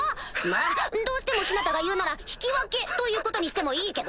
まぁどうしてもヒナタが言うなら引き分けということにしてもいいけどね！